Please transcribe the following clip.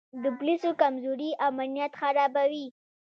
د پولیسو کمزوري امنیت خرابوي.